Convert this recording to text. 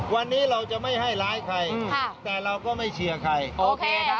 วันนี้เราจะไม่ให้ร้ายใครแต่เราไม่เชียร์ใคร